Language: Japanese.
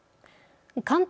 関東